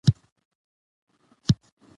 زه د وړې کوټې بر کونج ته ورسېدم.